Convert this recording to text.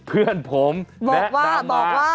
เพื่อนผมแนะนำมา